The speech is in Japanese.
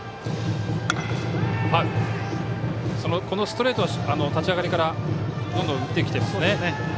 ストレートは立ち上がりからどんどん打ってきてますね。